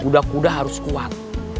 kuda kuda harus kuat